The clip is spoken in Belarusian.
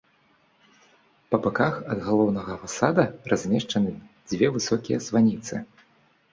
Па баках ад галоўнага фасада размешчаны дзве высокія званіцы.